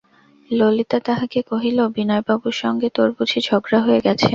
ললিতা তাহাকে কহিল, বিনয়বাবুর সঙ্গে তোর বুঝি ঝগড়া হয়ে গেছে?